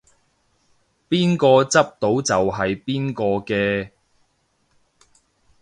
邊個執到就係邊個嘅